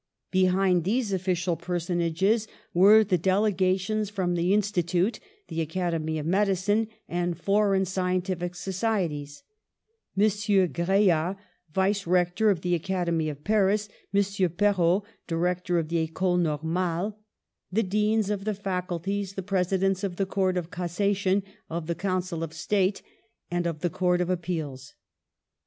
Behind these offi cial personages were the delegations from the Institute, the Academy of Medicine, and for eign scientific societies ; M. Greard, Vice Rector of the Academy of Paris; M. Perrot, Director of the Ecole Normale; the deans of the facul ties, the presidents of the Court of Cassation, of the Council of State and of the Court of Ap peals.